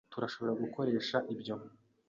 Turashobora gukoresha ibyo.